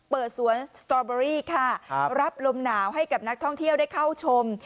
เปิดสวนสตรอเบอรี่ค่ะรับลมหนาวให้กับนักท่องเที่ยวได้เข้าชม